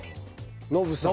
ノブさん。